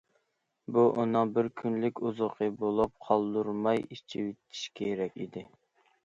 بۇ ئۇنىڭ بىر كۈنلۈك ئوزۇقى بولۇپ، قالدۇرماي ئىچىۋېتىشى كېرەك ئىدى.